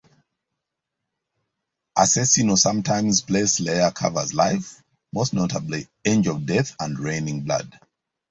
Asesino sometimes play Slayer covers live, most notably "Angel of Death" and "Raining Blood".